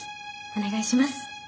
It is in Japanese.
お願いします。